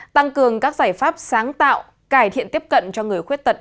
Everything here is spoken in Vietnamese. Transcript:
tăng cường các giải pháp sáng tạo cải thiện tiếp cận cho người khuyết tật